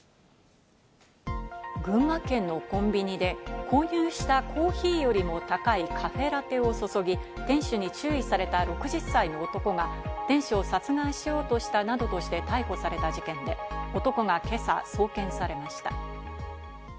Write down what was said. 群馬県のコンビニで購入したコーヒーよりも高いカフェラテを注ぎ、店主に注意された６０歳の男が店主を殺害しようとしたなどとして逮捕された事件で、男が今朝、送検されました。